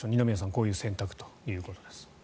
こういう選択ということです。